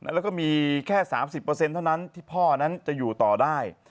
แล้วก็มีแค่๓๐เท่านั้นที่พ่อนั้นจะอยู่ต่อได้